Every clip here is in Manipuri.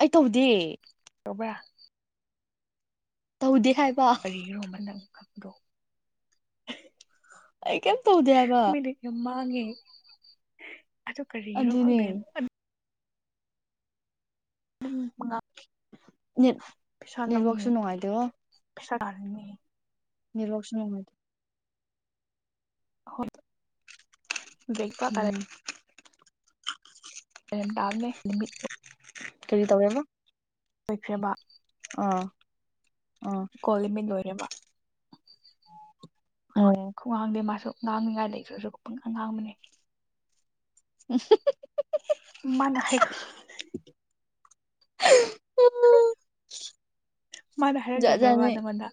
ꯑꯩ ꯇꯧꯕ ꯗꯦ ꯇꯧꯕ꯭ꯔꯥ ꯍꯧꯗꯦ ꯀꯒ꯭ꯔꯣꯝꯕꯅ ꯣ ꯑꯩ ꯀꯝ ꯇꯧꯗꯦꯕ ꯍꯦ ꯑꯗꯨ ꯀꯔꯤꯒꯤꯅꯣ ꯑꯗꯨꯅꯦ ꯈꯪꯗꯦ [unintelligible] ꯅꯦꯠ ꯄꯩꯁꯥ ꯂꯧꯅꯤ ꯅꯦꯠꯋꯔꯛꯁꯨ ꯅꯅꯨꯡꯉꯥꯏꯗꯣ ꯄꯩꯁꯥ ꯇꯔꯅꯤ [unintelligible] ꯍꯣꯏ ꯕꯦꯛ ꯄ꯭ꯔꯀꯔꯦ ꯎꯝ ꯔꯝ ꯇꯅꯦ ꯅꯨꯃꯤꯠ ꯀꯔꯤ ꯇꯧꯔꯦꯕ꯫ ꯂꫭꯏꯈ꯭ꯔꯦꯕ ꯑꯥ ꯑꯥ ꯑꯣ ꯈꯋꯥꯡꯗꯦ ꯃꯥꯁꯨ ꯉꯥꯡꯅꯤꯉꯥꯏ ꯂꯩ ꯇ꯭ꯔꯁꯨ ꯄꯨꯡꯉꯥꯡ ꯉꯥꯡꯕꯅꯦ꯫ ꯎꯝ ꯃꯥꯅ ꯍꯥꯏꯔꯛ ꯃꯥꯅ ꯍꯥꯏꯔꯛꯇꯕ꯭ꯔꯕ ꯅꯪꯉꯣꯟꯗ꯫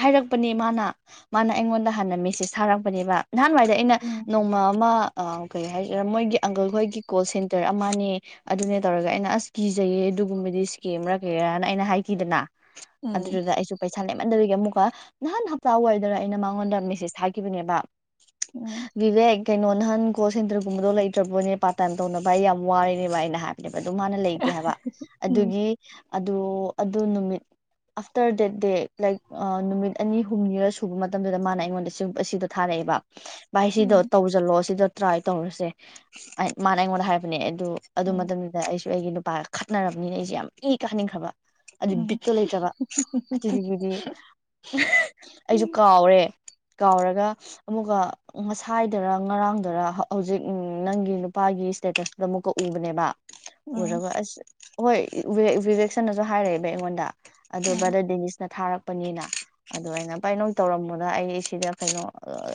ꯍꯥꯏꯔꯛꯄꯅꯤ ꯃꯥꯅ ꯃꯥꯅ ꯑꯩꯉꯣꯟꯗ ꯍꯥꯟꯅ ꯃꯦꯁꯦꯁ ꯁꯥꯔꯛꯄꯅꯦꯕ꯫ ꯅꯍꯥꯟꯋꯥꯏꯗ ꯑꯩꯅ ꯎꯝ ꯅꯣꯡꯃ ꯑꯃ ꯑ ꯀꯩ ꯍꯥꯏꯒꯦꯔꯥ ꯃꯣꯏꯒꯤ ꯑꯪꯀꯜ ꯈꯣꯏꯒꯤ ꯀꯣꯜ ꯁꯦꯟꯇꯔ ꯑꯃꯅꯦ ꯑꯗꯨꯅꯦ ꯇꯧꯔꯒ ꯑꯩꯅ ꯑꯁ ꯀꯤꯖꯩ ꯑꯗꯨꯒꯨꯝꯕꯗꯤ ꯁ꯭ꯀꯦꯝꯔꯥ ꯀꯩꯔꯥꯅ ꯑꯩꯅ ꯍꯥꯏꯈꯤꯗꯅ꯫ ꯎꯝ ꯑꯗꯨꯗꯨꯗ ꯑꯩꯁꯨ ꯄꯩꯁꯥ ꯂꯩꯝ ꯃꯟꯗꯕꯒꯤ ꯑꯃꯨꯛ ꯀ ꯅꯍꯥꯟ ꯍꯞꯇꯥ ꯋꯥꯏꯗꯔ ꯑꯩꯅ ꯃꯉꯣꯟꯗ ꯃꯦꯁꯦꯖ ꯊꯥꯈꯤꯕꯅꯦꯕ꯫ ꯎꯝ ꯋꯤꯋꯦꯛ ꯀꯩꯅꯣ ꯅꯍꯥꯟ ꯀꯣꯜ ꯁꯦꯟꯇꯔꯒꯨꯝꯕꯗꯣ ꯂꯩꯇ꯭ꯔꯕꯅꯦ ꯄꯥꯔꯠ ꯇꯥꯏꯝ ꯇꯧꯅꯕ ꯑꯩ ꯌꯥꯝ ꯋꯥꯔꯤꯅꯦꯕ ꯑꯩꯅ ꯍꯥꯏ ꯅꯦꯕ ꯑꯗꯨ ꯃꯥꯅ ꯂꯩꯇꯦ ꯍꯥꯏꯕ ꯎꯝ ꯑꯗꯨꯒꯤ ꯑꯗꯨ ꯑꯗꯨ ꯅꯨꯃꯤꯠ ꯑꯥꯐꯇꯔ ꯗꯦꯠ ꯗꯦ ꯂꯥꯏꯛ ꯑ ꯅꯨꯃꯤꯠ ꯑꯅꯤ ꯍꯨꯝꯅꯤꯔ ꯁꯨꯕ ꯃꯇꯝꯗꯨꯗ ꯃꯥꯅ ꯑꯩꯉꯣꯟꯗ ꯑꯁꯤꯗꯨ ꯊꯥꯔꯛꯑꯦꯕ꯫ ꯚꯥꯏ ꯁꯤꯗ ꯎꯝ ꯇꯧꯁꯤꯜꯂꯣ ꯑꯁꯤꯗꫭ ꯇ꯭ꯔꯥꯏ ꯇꯧꯔꯁꯦ ꯃꯥꯅ ꯑꯩꯉꯣꯟꯗ ꯍꯥꯏꯕꯅꯦ꯫ ꯑꯗꯨ ꯑꯗꯨ ꯎꯝ ꯃꯇꯝꯗꯨꯎ ꯑꯩꯁꯨ ꯑꯩꯒꯤ ꯅꯨꯄꯥꯒ ꯈꯠꯅꯔꯕꯅꯤꯅ ꯑꯩꯁꯦ ꯌꯥꯝ ꯏ ꯀꯥꯍꯟꯅꯤꯡꯈ꯭ꯔꯕ ꯑꯗꯨꯏ ꯎꯝ ꯕꯤꯠꯇꫭ ꯂꯩꯇ꯭ꯔꯕ ꯑꯗꯨꯗꯒꯤꯗꯤ ꯑꯩꯁꯨ ꯀꯥꯎꯔꯦ ꯀꯥꯎꯒ ꯑꯃꯨꯛꯀ ꯉꯁꯥꯏꯗꯔ ꯉꯔꯥꯡꯗꯔ ꯍꯧꯖꯤꯛ ꯅꯪꯒꯤ ꯅꯨꯄꯥꯒꯤ ꯏꯁꯇꯦꯇꯁꯇꯨꯗ ꯑꯃꯨꯛꯀ ꯎꯕꯅꯦꯕ꯫ ꯎꯝ ꯎꯔꯒ ꯑꯁ ꯍꯣꯏ ꯋꯤꯋꯦꯛꯁꯟꯅꯁꯨ ꯍꯥꯏꯔꯛꯑꯦꯕ ꯑꯩꯉꯣꯟꯗ꯫ ꯑꯗꯨ ꯎꯝ ꯕꯗꯔ ꯗꯤꯅꯤꯁꯅ ꯊꯥꯔꯛ ꯄꯅꯤꯅ ꯑꯗꫭ ꯑꯩꯅ ꯚꯥꯏ ꯅꯣꯏ ꯇꯧꯔꯝꯃꯣꯗ ꯑꯩ ꯏꯁꯤꯗ ꯀꯩꯅꯣ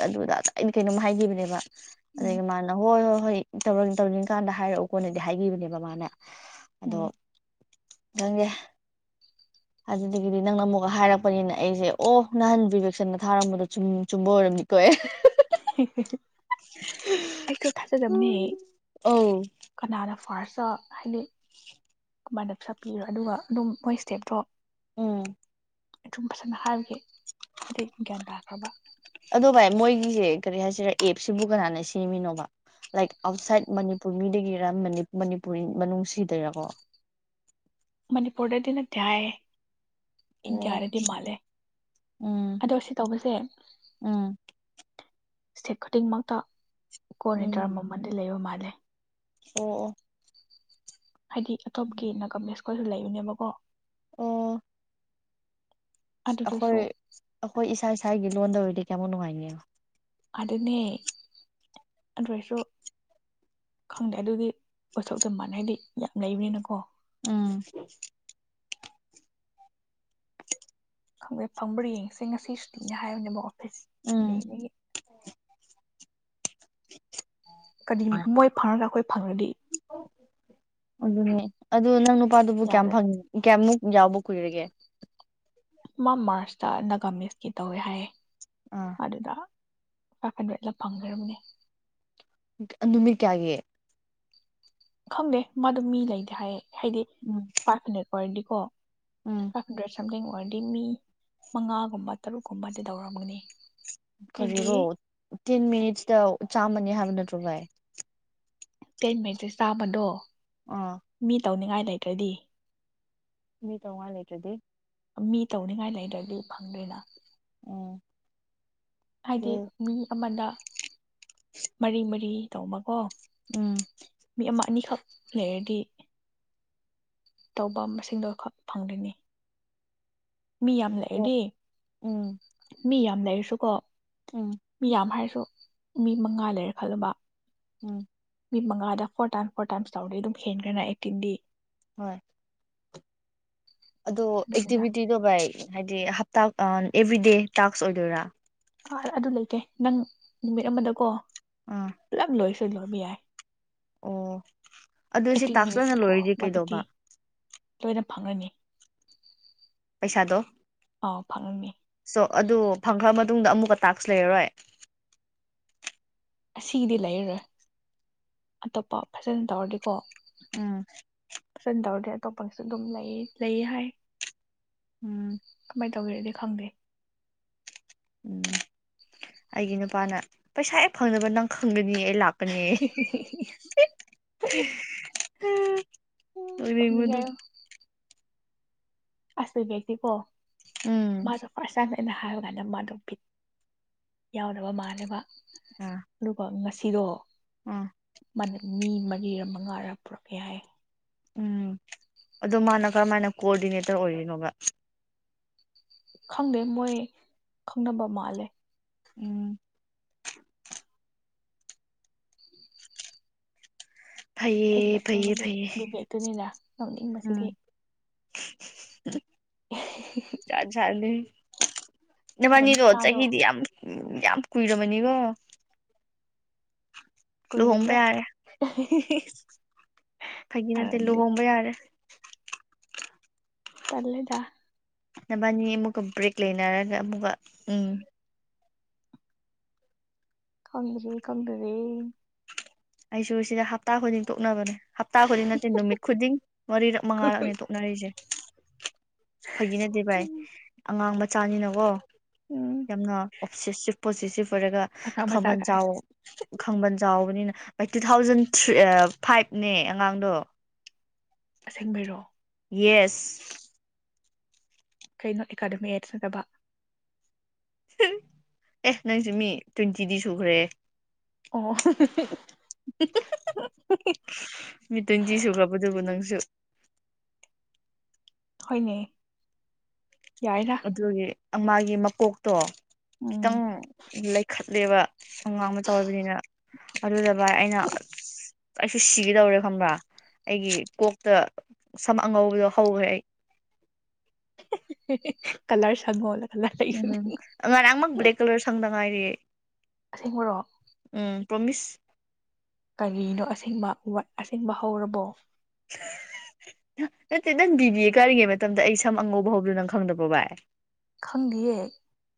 ꯑꯗꯨꯗ ꯑꯩꯅ ꯀꯩꯅꯣꯝ ꯍꯥꯏꯈꯤꯕꯅꯦꯕ꯫ ꯎꯝ ꯑꯗꯒꯤ ꯃꯥꯅ ꯍꯣꯏ ꯍꫭꯏ ꯍꯣꯏ ꯇꯧꯅꯤꯡ-ꯇꯧꯅꯤꯡ ꯀꯥꯟꯗ ꯍꯥꯏꯔꯛꯑꯣ ꯀꯣꯟꯅꯗꯤ ꯍꯥꯏꯕꯤꯕꯅꯦꯕ ꯃꯥꯅ꯫ ꯍ ꯑꯗꯣ ꯎꯝ ꯅꯪꯗꯦ ꯑꯗꯨꯗꯒꯤꯗꯤ ꯅꯪꯅ ꯑꯃꯨꯛ ꯍꯥꯏꯔꯛꯄꯅꯤꯅ ꯑꯩꯁꯦ ꯑꯣ ꯅꯍꯥꯟ ꯕꯤꯚꯦꯛꯁꯟꯅ ꯊꯥꯔꯝꯕꯗꯣ ꯆꯨꯝ ꯆꯨꯝꯕ ꯑꯣꯏꯔꯝꯅꯤꯀꯣ ꯑꯦ ꯍꯦ ꯍꯦ ꯍꯦ ꯍ ꯑꯩꯁꯨ ꯊꯥꯖꯗꯕꯅꯦ ꯑꯧ ꯀꯅꯥꯅ ꯐꯥꯔꯁꯇ ꯍꯥꯏꯗꯤ ꯀꯃꯥꯏꯅ ꯄꯩꯁꯥ ꯄꯤꯔꯣ ꯑꯗꯨꯒ ꯑꯗꯨꯝ ꯃꯣꯏ ꯁ꯭ꯇꯦꯞꯇꯣ ꯎꯝ ꯑꯗꯨꯝ ꯐꯖꯅ ꯍꯥꯏꯕꯒꯤ ꯑꯗꯩ ꯒ꯭ꯌꯥꯟ ꯇꯥꯈ꯭ꯔꯕ ꯑꯗꯣ ꯚꯥꯏ ꯃꯣꯏꯒꯤꯁꯦ ꯀꯔꯤ ꯍꯥꯏꯁꯤꯔꯥ ꯑꯦꯞꯁꯤꯕꯨ ꯀꯅꯥꯅ ꯁꯦꯝꯃꯤꯅꯣꯕ ꯂꯥꯏꯛ ꯑꯥꯎꯠꯁꯥꯏꯠ ꯃꯅꯤꯄꯨꯔ ꯃꯤꯗꯒꯤꯔ ꯃꯅꯤꯞ ꯃꯅꯤꯄꯨꯔꯤ ꯃꯅꯨꯡ ꯁꯤꯗꯩꯏꯔꯥꯀꯣ ꯃꯅꯤꯄꯨꯔꯗꯗꯤ ꯅꯠꯇꯦ ꯍꯥꯏꯌꯦ ꯑꯣ ꯏꯟꯗꯤꯌꯥꯗꯗꯤ ꯃꯥꯜꯂꯦ ꯎꯝ ꯑꯗꯣ ꯁꯤ ꯇꯧꯕꯁꯦ ꯎꯝ ꯁꯇꯦꯠ ꯈꯨꯗꯤꯡꯃꯛꯇ ꯀꯣꯟꯅ ꯇꯔꯝ ꯑꯃꯗꯤ ꯂꯩꯕ ꯃꯥꯜ ꯗꯦ ꯑꯣ ꯑꯣ ꯍꯥꯏꯗꯤ ꯑꯇꯣꯞꯀꯤ ꯅꯥ ꯀꯝꯄꯦꯁ ꯈꫭꯏꯁꯨ ꯂꯩꯕꯅꯦꯕ ꯀꯣ ꯑꯗꯨꯗꯁꯨ ꯑꯈꯣꯏ ꯑꯈꯣꯏ ꯏꯁꯥ ꯏꯁꯥꯒꯤ ꯂꯣꯟꯗ ꯑꯣꯏꯔꯗꯤ ꯀꯌꯥꯃꯨꯛ ꯅꯨꯡꯉꯥꯏꯒꯅꯤ ꯌꯦꯡꯎ ꯑꯗꯨꯅꯦ ꯑꯗꯨ ꯑꫭꯏꯔꯁꯨ ꯈꯪꯗꯦ ꯑꯗꯨꯒꯤ ꯋꯥꯊꯣꯛꯇ ꯃꯥꯟꯅꯔꯗꯤ ꯍꯥꯏꯗꯤ ꯌꯥꯝ ꯂꯩꯕꯅꯤꯅꯀꯣ ꯎꯝ ꯈꯪꯗꯦ ꯐꯪꯕ꯭ꯔꯥ ꯌꯦꯡꯁꯦ ꯉꯁꯤ ꯁꯨꯇꯤꯅꯦ ꯍꯥꯏꯕꯅꯦꯕ‌ ꯀꫭ ꯐꯤꯁ ꯎꯝ ꯁꯟꯗꯦꯅꯦ ꯀꯗꯤ ꯃꯣꯏ ꯐꯪꯔꯒꯥ ꯑꯈꯣꯏ ꯐꯪꯔꯗꯤ ꯑꯗꯨꯅꯦ ꯑꯗꯨ ꯅꯪ ꯅꯨꯄꯥꯗꯨꯕꯨ ꯀꯌꯥꯝ ꯌꯥꯔꯣꯏ ꯐꯪ ꯀꯌꯥꯝꯃꯨꯛ ꯌꯥꯎꯕ ꯀꯨꯏꯔꯒꯦ ꯃꯥ ꯃꯥꯔꯁꯇ ꯅꯥꯒꯥꯃꯤꯁꯀꯤ ꯇꯧꯋꯦ ꯍꯥꯏꯌꯦ ꯑꯥ ꯑꯗꯨꯗ ꯐꯥꯏꯚ ꯍꯟꯗ꯭ꯔꯦꯠꯂ ꯐꯪꯈ꯭ꯔꯕꯅꯦ ꯀ ꯅꯨꯃꯤꯠ ꯀꯌꯥꯒꯤ ꯈꯪꯗꯦ ꯃꯥꯗꯣ ꯃꯤ ꯂꯩꯗꯦ ꯍꯥꯏꯌꯦ ꯍꯥꯏꯗꯤ ꯎꯝ ꯐꯥꯏꯚ ꯍꯟꯗ꯭ꯔꯦꯠꯄꯨ ꯑꫭꯏꯔꯗꯤ ꯀꯣ ꯎꯝ ꯐꯥꯏꯚ ꯍꯟꯗ꯭ꯔꯦꯠꯁꯨ ꯁꯝꯊꯤꯡ ꯑꯣꯏꯔꯗꯤ ꯃꯤ ꯃꯉꯥꯒꯨꯝꯕ ꯇꯔꯨꯛꯀꯨꯝꯕꯗꯤ ꯇꯧꯔꯝꯒꯅꯤ ꯑꯩꯗꯤ ꯀꯔꯤꯔꯣ ꯇꯦꯟ ꯃꯤꯅꯤꯠꯁꯇ ꯆꯥꯝꯃꯅꯤ ꯍꯥꯏꯕ ꯅꯠꯇ꯭ꯔꯣ ꯚꯥꯏ ꯀꯦꯟ ꯃꯤꯠꯁꯦ ꯆꯥꯕꯗꯣ ꯑꯥ ꯃꯤ ꯇꯧꯅꯤꯡꯉꯥꯏ ꯂꯩꯇ꯭ꯔꯗꯤ ꯃꯤ ꯇ ꯋꯥꯍ ꯂꯩꯇ꯭ꯔꯗꯤ ꯃꯤ ꯇꯧꯅꯤꯡꯉꯥꯏ ꯂꯩꯗ꯭ꯔꯗꯤ ꯐꯪꯗꯣꯏꯅ ꯎꯝ ꯍꯥꯏꯗꯤ ꯎꯝ ꯃꯤ ꯑꯃꯗ ꯃꯔꯤ ꯃꯔꯤ ꯇꯧꯕꯃꯀꯣ ꯎꯝ ꯌꯥꯝ ꯑꯅꯤꯈꯛ ꯂꯩꯔꯗꯤ ꯇꯧꯕ ꯃꯁꯤꯡꯗꯣꯈꯛ ꯐꯪꯒꯣꯏꯅꯤ ꯃꯤ ꯌꯥꯝ ꯑꯗꯣ ꯂꯥꯛꯑꯦꯗꯤ ꯎꯝ ꯃꯤ ꯌꯥꯝ ꯂꯩꯁꯨ ꯀꯣ ꯎꯝ ꯃꯤ ꯌꯥꯝ ꯍꯥꯏꯔꯁꯨ ꯃꯤ ꯃꯉꯥ ꯂꯩꯔꯦ ꯈꯜꯂꯨꯕ ꯎꯝ ꯃꯤ ꯃꯉꯥꯗ ꯐꯣꯔ ꯇꯥꯏꯝꯁ ꯐꯣꯔ ꯇꯥꯏꯝꯁ ꯇꯥꯎꯗꯤꯩ ꯑꯗꯨꯝ ꯍꯦꯟꯈ꯭ꯔꯦꯅ ꯑꯦꯛꯇꯤꯟꯗꯤ ꯍꯣꯏ ꯑꯗꯣ ꯑꯗꯨꯅꯤꯗ ꯑꯦꯛꯇꯤꯚꯤꯇꯤꯗꯣ ꯚꯥꯏ ꯍꯥꯏꯗꯤ ꯍꯞꯇꯥ ꯑꯦꯚ꯭ꯔꯤꯗꯦ ꯇꯥꯛꯁ ꯑꯣꯏꯗꯣꯏꯔꯥ ꯑ ꯑꯗꯨ ꯂꯩꯀꯦ ꯅꯪ ꯅꯨꯃꯤꯠ ꯑꯃꯗꯀꯣ ꯑꯥ ꯂꯝ ꯂꯣꯏꯁ ꯇꯂꯔ ꯌꯥꯏ ꯑꯣ ꯑꯗꯨ ꯁꯤ ꯑꯩꯠꯇꯤꯟ ꯇꯥꯛꯆꯅ ꯃꯤꯅꯤꯠꯁꯇꯀꯣ ꯂꯣꯏꯔꯤꯗꯤ ꯋꯥꯟ ꯑꯩꯠꯇꯤ ꯀꯩꯗꯧꯕ ꯂꯣꯏꯅ ꯐꯪꯒꯅꯤ ꯄꯩꯁꯥꯗꯣ ꯑꯥꯎ ꯐꯪꯉꯅꯤ ꯁꯣ ꯑꯗꯨ ꯐꯪꯈ ꯃꯇꯨꯡꯗ ꯑꯃꯨꯛꯀ ꯇꯥꯛꯁ ꯂꯩꯔꯔꯣꯏ ꯑꯁꯤꯗꯤ ꯂꯩꯔꯔꯣꯏ ꯑꯇꯣꯞꯄ ꯐꯖꯅ ꯇꯧꯔꯗꯤꯀꯣ ꯎꯝ ꯁꯗ ꯑꯣꯦ ꯑꯇꯣꯞꯄꯪꯁꯨ ꯑꯗꯨꯝ ꯂꯩ ꯂꯩ ꯍꯥꯏ ꯎꯝ ꯇꯧꯤꯔꯗꯤ ꯈꯪꯗꯦ ꯎꯝ ꯑꯩꯒꯤ ꯅꯨꯄꯥꯅ ꯄꯩꯁꯥ ꯍꯦꯛ ꯐꯪꯅꯕ ꯅꯪ ꯈꯪꯒꯅꯤ ꯑꯩ ꯂꯥꯛꯄ ꯎ ꯐꯝꯒ ꯂꯣꯏꯅꯤꯡꯕꯗꯣ ꯑꯁꯕꯁꯤ ꯀꯣ ꯎꯝ ꯃꯥꯁꯥ ꯐꯔꯁꯅ ꯑꯩꯅ ꯍꯥꯏꯕ ꯀꯥꯟꯗ ꯃꯥꯗꯣ ꯄꯤ ꯌꯥꯎꯗꯕ ꯃꯥꯜꯂꯦꯕ ꯑꯥ ꯑꯗꯨꯒ ꯉꯥ ꯁꯤꯗꯣ ꯑꯥ ꯃꯤ ꯃꯔꯤꯔ ꯃꯉꯥꯔꯥ ꯄꯨꯔꯛꯀꯦ ꯍꯥꯏꯌꯦ ꯎꯝ ꯑꯗꯣ ꯃꯥꯅ ꯀꯔꯝꯥꯏꯅ ꯀꯣꯑꯣꯗꯤꯅꯦꯇꯔ ꯑꯣꯏꯔꯤꯅꯣꯕ ꯈꯪꯗꯦ ꯃꯣꯏ ꯈꯪꯅꯕ ꯃꯥꯜꯂꯦ ꯎꯝ [inaudible] ꯑꯩꯗꯤ ꯐꯩꯌꯦ ꯅꯣꯛꯅꯤꯡꯕꯗꯤ ꯐꯩꯌꯦ ꯕꯤꯕꯦꯛꯇꯨꯅꯤꯅ ꯅꯣꯛꯅꯤꯡꯕꯁꯤꯗꯤ ꯌꯥ ꯆꯅꯤ ꯀꯔꯟ ꯅꯕꯥꯅꯤꯔꯣ ꯈꯨꯊꯥꯗꯣ ꯆꯍꯤꯗꯤ ꯌꯥꯝ ꯎ ꯌꯥꯝ ꯀꯨꯏꯔꯕꯅꯤꯕꯣ ꯀꯣꯏꯗꯅꯤꯗ ꯐꯥꯒꯤꯅꯠꯇꯦ ꯂꯨꯍꯣꯡꯕ ꯌꯥꯔꯦ ꯄꯜꯂꯦꯗꯥ ꯅꯕꯥꯅꯤ ꯑꯃꯨꯛꯀ ꯕ꯭ꯔꯦꯛ ꯂꯩꯅꯔꯒ ꯑꯃꯨꯛꯀ ꯎꯝ ꯀꯪ ꯔꯦ ꯀꯪꯗ ꯔꯦ ꯑꯩꯁꯨ ꯁꯤꯗ ꯍꯞꯇꯥ ꯈꯨꯗꯤꯡ ꯇꯣꯛꯅꯕꯅꯦ ꯍꯞꯇꯥ ꯈꯨꯗꯤꯡ ꯅꯠꯇꯦ ꯅꯨꯃꯤꯠ ꯈꯨꯗꯤꯡ ꯃꯔꯤꯔꯛ ꯃꯉꯥꯔꯛꯅꯤ ꯇꯣꯛꯅꯔꯤꯁꯦ ꯐꯒꯤ ꯅꯠꯇꯦ ꯚꯥꯏ ꯎꯝ ꯑꯉꯥꯡ ꯃꯆꯥꯅꯤꯅꯀꯣ ꯎꯝ ꯌꯥꯝꯅ ꯐꯣꯝꯁꯦꯁꯤꯞ ꯄꯣꯁꯤꯁꯤꯞ ꯑꯣꯏꯔꯒ ꯑꯉꯥꯡ ꯃꯆꯥ ꯈꯥꯕꯜ ꯀꯥꯏ ꯆꯥꯎ ꯈꯥꯕꯜ ꯆꯥꯎ ꯑꯃꯅꯤꯅꯤꯅ ꯇꯨ ꯊꯥꯎꯖꯟ ꯊ꯭ꯔꯤ ꯐꯥꯏꯕ ꯅꯦ ꯑꯉꯥꯡꯗꯣ ꯑꯁꯦꯡꯕꯩꯔꯣ ꯌꯦꯁ ꯀꯩꯅꯣ ꯑꯦꯀꯥꯗꯃꯤ ꯑꯦꯠꯁ ꯅꯠꯇꯥꯕ ꯑꯦ ꯅꯪꯁꯨꯦ ꯃꯤ ꯇ꯭ꯋꯦꯟꯇꯤꯗꯤ ꯁꯨꯈ꯭ꯔꯦ ꯑꯣ ꯃꯤ ꯇ꯭ꯋꯣꯟꯇꯤ ꯁꯨꯒꯕꯗꯨꯕꯨ ꯅꯪꯁꯨ ꯍꯣꯏꯅꯦ ꯌꯥꯏꯗ ꯑꯗꯨꯗꯦ ꯃꯥꯒꯤ ꯃꯀꯣꯛꯇꯣ ꯎꯝ ꯈꯤꯇꯪ ꯂꯩ ꯈꯠꯂꯦꯕ ꯑꯉꯥꯡ ꯃꯆꯥ ꯑꯣꯢꯕꯅꯤꯅ ꯑꯗꯨ ꯑꯩꯅ ꯑꯩꯁꯨ ꯁꯤꯒꯗꯧꯔꯦ ꯈꯪꯕ꯭ꯔꯥ ꯑꯩꯒꯤ ꯀꯣꯛꯇ ꯁꯝ ꯑꯉꯧꯕꯗꯣ ꯍꯧꯈ꯭ꯔꯦ ꯑꯩ ꯀꯥꯂꯔ ꯁꯪꯉꯣ ꯎꯝ ꯉꯔꯥꯡꯃꯛ ꯕ꯭ꯂꯦꯛ ꯀꯂꯔ ꯁꯪꯗ ꯉꯥꯏꯔꯤ ꯑꯩ ꯑꯁꯦꯡꯕꯔꯣ ꯄ꯭ꯔꯣꯃꯤꯁ ꯀꯔꯤꯅꯣ ꯑꯁꯦꯡꯕ ꯋꯔꯗ ꯑꯁꯦꯡꯕ ꯍꯧꯔꯕꯣ ꯅꯠꯇꯦ ꯅꯪ ꯕꯤꯕꯤꯌꯦ ꯀꯥꯔꯤꯉꯩ ꯃꯇꯝꯗ ꯑꯩ ꯁꯝ ꯑꯉꯧꯕ ꯍꯧꯕꯗꯨ ꯅꯪ ꯈꯪꯗꯕ꯭ꯔꯣ ꯚꯥꯏ ꯈꯪꯗꯤꯌꯦ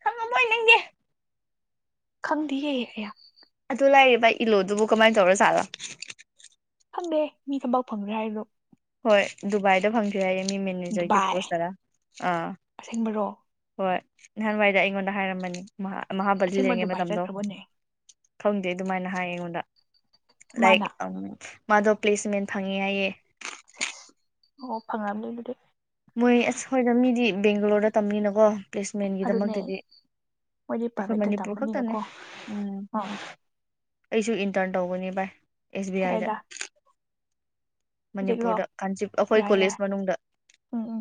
ꯈꯪꯉꯝꯃꯣꯏ ꯅꯪꯗꯤ ꯈꯪꯗꯤꯌꯦ ꯑꯌꯥ ꯑꯗꯨ ꯂꯥꯏꯔꯤ ꯚꯥꯏ ꯏꯜꯂꯣꯗꯨꯕꯨ ꯀꯃꯥꯏ ꯇꯧꯔ ꯖꯥꯠꯂ ꯈꯪꯗꯦ ꯃꯤ ꯊꯕꯛ ꯐꯪꯒꯔꯦ ꯍꯥꯏꯔꯣ ꯍꯣꯏ ꯗꯨꯕꯥꯏꯗ ꯐꯪꯒꯔꯦ ꯍꯥꯌꯦ ꯃꯦꯅꯦꯖꯔꯒꯤ ꯗꯨꯕꯥꯏ ꯄꯣꯁ ꯇꯔ ꯑꯥ ꯑꯁꯦꯡꯕꯔꯣ ꯍꯣꯏ ꯅꯍꯥꯟꯋꯥꯏꯗ ꯑꯩꯉꯣꯟꯗ ꯍꯥꯏꯔꯝꯕꯅꯤ ꯃꯥꯍꯥꯕꯂꯤ ꯑꯁꯦꯡꯕ ꯂꯩꯔꯤꯉꯩ ꯗꯨꯕꯥꯏ ꯃꯇꯝꯗꯣ ꯆꯠꯈ꯭ꯔꯕꯅꯦ ꯈꯪꯗꯦ ꯑꯗꯨꯃꯥꯏꯅ ꯍꯥꯏ ꯑꯩꯉꯣꯟꯗ ꯂꯥꯏꯔꯤꯛ ꯃꯥꯅ ꯑꯝ ꯃꯥꯗꯣ ꯄ꯭ꯂꯦꯁꯃꯦꯟ ꯐꯪꯉꯦ ꯍꯥꯏꯌꯦ ꯁꯦꯁ ꯑꯣ ꯐꯪꯉꯝꯅꯤ ꯑꯗꯨꯗꯤ ꯃꯣꯏ ꯑꯁ ꯍꯣꯏꯗ ꯃꯤꯗꯤ ꯕꯦꯡꯒꯂꯣꯔꯗ ꯇꯝꯅꯤꯅꯀꯣ ꯑꯗꯨꯅꯦ ꯄ꯭ꯂꯦꯁꯃꯦꯟꯒꯤꯗꯃꯛꯇꯗꯤ ꯃꯣꯏꯗꯤ ꯑꯩꯈꯣꯏ ꯄ꯭ꯔꯥꯏꯚꯦꯠꯇ ꯃꯅꯤꯄꯨꯔ ꯈꯛꯇꯅꯦ ꯇꯝꯕꯅꯤꯅꯀꯣ ꯎꯝ ꯑꯥ ꯑꯩꯖꯨ ꯏꯟꯇꯔꯟ ꯇꯧꯒꯅꯤ ꯚꯥꯏ ꯑꯦꯁꯕꯤꯑꯥꯏꯗ ꯀꯗꯥꯏꯗ ꯍꯧꯖꯤꯛꯔꯣ ꯃꯅꯤꯄꯨꯔꯗ ꯀꯥꯟꯆꯤꯞ ꯑꯩꯈꯣꯏ ꯌꯥꯏ ꯌꯥꯏ ꯀꯣꯂꯦꯖ ꯃꯅꯨꯡꯗ ꯎꯝ ꯎꯝ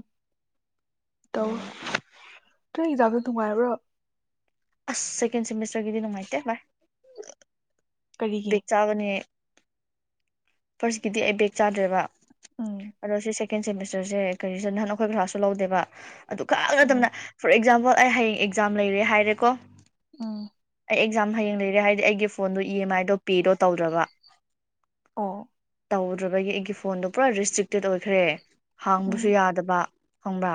ꯑ ꯒꯤ ꯏꯛꯖꯥꯝꯗꯨ ꯅꯨꯡꯉꯥꯏꯕꯔꯣ ꯑꯁ ꯁꯦꯀꯦꯟ ꯁꯤꯃꯤꯁꯇꯔꯒꯤꯗꯤ ꯅꯨꯡꯉꯥꯏꯇꯦ ꯚꯥꯏ꯫ ꯀꯔꯤꯒꯤ ꯕꯦꯛ ꯆꯥꯒꯅꯤ ꯐꯥꯔꯁꯀꯤꯗꯤ ꯑꯩ ꯕꯦꯛ ꯆꯥꯗ꯭ꯔꯦꯕ ꯎꯝ ꯑꯗꯣ ꯁꯤ ꯁꯦꯀꯦꯟ ꯁꯦꯃꯤꯁꯇꯔꯁꯦ ꯀꯔꯤꯁꯦ ꯅꯍꯥꯟ ꯑꯩꯈꯣꯏ ꯀ꯭ꯂꯥꯁꯁꯨ ꯂꯧꯗꯦꯕ ꯑꯗꯨ ꯈꯛ ꯎꯝ ꯅꯇꯝꯅ ꯐꯣꯔ ꯑꯦꯛꯖꯥꯝꯄꯜ ꯑꯩ ꯍꯌꯦꯡ ꯑꯦꯛꯖꯥꯝ ꯂꯩꯔꯦ ꯍꯥꯏꯔꯦꯀꯣ ꯎꯝ ꯑꯩ ꯑꯦꯛꯖꯥꯝ ꯍꯌꯦꯡ ꯂꯩꯔꯦ ꯍꯥꯏꯗꯤ ꯑꯩꯒꯤ ꯐꯣꯟꯗꯣ ꯏ ꯑꯦꯝ ꯑꯥꯏ ꯑꯗꯨ ꯄꯦꯗꯣ ꯇꯧꯗ꯭ꯔꯕ ꯑꯣ ꯇꯧꯗ꯭ꯔꯕꯒꯤ ꯑꯩꯒꯤ ꯐꯣꯟꯗꯣ ꯄꯨꯔꯥ ꯔꯦꯁꯇ꯭ꯔꯤꯛꯇꯦꯠ ꯑꯣꯏꯈ꯭ꯔꯦ ꯎꯝ ꯍꯥꯡꯕꯁꯨ ꯌꯥꯗꯕ ꯈꯪꯕ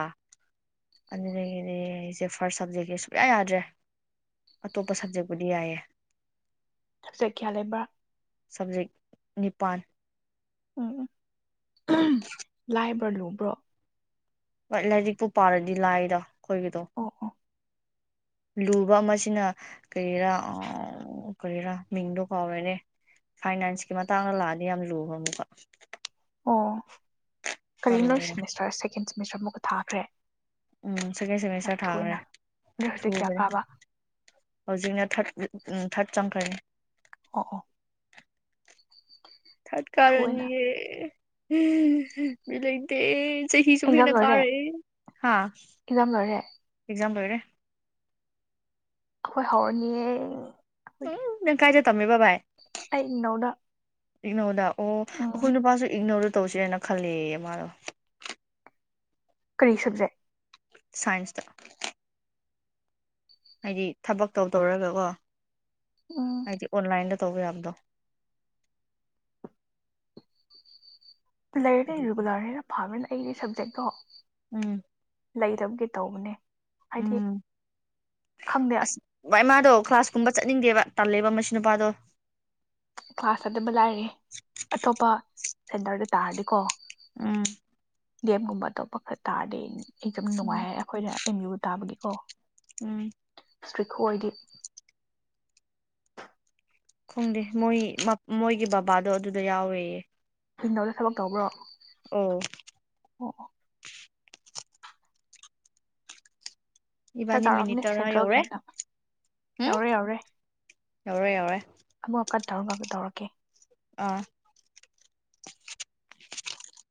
ꯑꯗꯨꯗꯒꯤꯗꯤ ꯑꯩꯁꯦ ꯐꯥꯔꯁ ꯁꯞꯖꯦꯛꯀꯤ ꯁꯨꯡꯌꯥ ꯌꯥꯗ꯭ꯔꯦ ꯑꯇꯣꯞꯄ ꯁꯕꯖꯦꯛꯄꯨꯗꯤ ꯌꯥꯏꯌꯦ ꯆ ꯀꯌꯥ ꯂꯩꯕ꯭ꯔꯥ ꯁꯕꯖꯦꯛ ꯅꯤꯄꯥꯜ ꯎꯝ ꯎ ꯂꯥꯏꯕ꯭ꯔꯣ ꯂꯨꯕ꯭ꯔꯣ ꯍꯣꯏ ꯂꯥꯏꯔꯤꯛꯄꯨ ꯄꯥꯔꯗꯤ ꯂꯥꯏꯗ ꯑꯩꯈꯣꯏꯒꯤꯗꯣ ꯑꯣ ꯑꯣ ꯂꯨꯕ ꯑꯃꯁꯤꯅ ꯀꯔꯤꯔꯥ ꯀꯔꯤꯔꯥ ꯃꯤꯡꯗꯣ ꯀꯥꯎꯔꯦꯅꯦ ꯐꯥꯏꯅꯥꯟꯁꯀꯤ ꯃꯇꯥꯡꯗ ꯂꯥꯛꯑꯗꯤ ꯌꯥꯝ ꯂꯨꯕ ꯑꯃꯀ ꯑ ꯀꯔꯤꯝ ꯅꯣꯏ ꯁꯦꯃꯤꯁꯔ ꯃꯤꯁ꯭ꯔ ꯑꯃꯨꯛꯀ ꯊꯥꯈ꯭ꯔꯦ ꯎꯝ ꯁꯦꯀꯦꯟ ꯌꯥꯝ ꯁꯦꯃꯤꯁꯇꯔ ꯊꯨꯏꯅ ꯅꯣꯏ ꯊꯥꯈ꯭ꯔꯦ ꯍꯧꯖꯤꯛ ꯀꯌꯥ ꯊꯨꯕꯅꯦ ꯀꯥꯕ ꯍꯧꯖꯤꯛꯅ ꯊꯔꯠ ꯎꯝ ꯊꯔꯠ ꯆꯝꯈꯔꯦ ꯑꯣ ꯑꯣ ꯊꯠ ꯊꯨꯏꯅ ꯀꯔꯅꯤ ꯌꯦ ꯂꯦ ꯆꯍꯤꯁꯨ ꯑꯦꯛꯖꯥꯝ ꯍꯦꯟꯅ ꯂꯣꯏꯔꯦ ꯀꯥꯔꯛꯑꯦ ꯑꯦꯛꯖꯥꯝ ꯂꯣꯏꯔꯦ ꯂꯣꯏꯔꯦ ꯑꯩꯈꯣꯏ ꯍꯧꯔꯅꯤꯌꯦ ꯑꯩꯈꯣꯏꯗꯤ ꯎ ꯅꯪ ꯀꯥꯏꯗ ꯇꯃꯦꯕꯕꯥꯥꯏ ꯑꯩ ꯏꯛꯅꯧꯗ ꯏꯛꯅꯧꯗ ꯑꯣꯈꯣꯏ ꯅꯨꯄꯁꯨ ꯏꯒꯅꯔ ꯇꯧꯁꯦꯅ ꯈꯜꯂ ꯃꯥꯗꯣ ꯀꯔꯤ ꯁꯕꯖꯦꯛ ꯁꯥꯏꯟꯁꯇ ꯍꯥꯏꯗꯤ ꯊꯕꯛ ꯇꯧ ꯇꯧꯔꯒꯀꯣ ꯎꯝ ꯍꯥꯏꯗꯤ ꯑꯣꯟꯂꯥꯏꯟꯗ ꯇꯧꯒꯗ ꯂꯩꯔ ꯂꯩ ꯌꯨꯒ ꯂꯔ ꯍꯔꯅ ꯐꯥꯅ ꯑꯩꯒꯤ ꯁꯞꯖꯦꯛꯇꯣ ꯎꯝ ꯂꯩꯔꯕꯒꯦ ꯇꯧꯕꯅꯦ ꯍꯥꯏꯗꯤ ꯎꯝ ꯈꯪꯗꯦ ꯑꯁ ꯚ ꯏꯃꯥꯗꯣ ꯀ꯭ꯂꯥꯁ ꯀꯨꯝꯕ ꯆꯠꯅꯤꯡꯗꯦꯕ ꯇꯂꯦꯕ ꯃꯁꯅꯄꯥꯥꯗꯣ ꯀ꯭ꯂꯥꯁ ꯑꯗꯨꯝꯕ ꯂꯥꯛꯔꯦ ꯑꯇꯣꯞꯄ ꯁꯦꯟꯇꯔꯗ ꯇꯥꯔꯗꯤꯀꯣ ꯑꯥ ꯒꯦꯝꯒꯨꯝꯕ ꯑꯇꯣꯞꯄ ꯈꯔ ꯇꯥꯗꯦ ꯑꯦꯛꯖꯥꯝꯅ ꯎꯝ ꯅꯨꯡꯉꯥꯏ ꯍꯥꯏ ꯑꯩꯈꯣꯏꯅ ꯑꯦꯝ ꯌꯨ ꯇꯥꯕꯒꯤꯀꯣ ꯎꯝ ꯏꯁꯇ꯭ꯔꯤꯛ ꯈꯨꯑꯣꯏꯗꯤ꯫ ꯈꯪꯗꯦ ꯃꯣꯏ ꯃ ꯃꯣꯏ ꯒꯤ ꯕꯕꯥꯗꯣ ꯑꯗꯨꯗ ꯌꯥꯎꯋꯦꯌꯦ꯫ ꯏꯒꯅꯧꯗ ꯊꯕꯛ ꯇꯧꯕ꯭ꯔꯣ? ꯎꯝ ꯑꯣꯑꯣ ꯈꯥ ꯏꯕꯥꯅꯤ ꯃꯤꯅꯤꯠ ꯆꯥꯎꯔꯝꯅꯤ ꯇꯔꯥ ꯌꯧꯔꯦ ꯁꯦꯟꯇ꯭ꯔꯦꯜꯒꯤꯅꯤꯅ ꯎꯝ ꯌꯧꯔꯦ ꯌꯧꯔꯦ꯫ ꯌꯧꯔꯦ ꯌꯧꯔꯦ ꯑꯃ ꯀꯠ ꯇꯧꯔꯒ ꯑꯃꯨꯛ ꯇꯧꯔꯛꯀꯦ ꯑꯥ